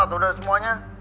atau udah semuanya